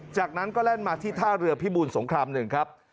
จากนั้นก็แล่นมาที่ท่าเรือพิบูรสงคราม๑ครับ